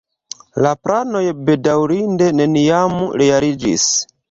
La planoj bedaŭrinde neniam realiĝis.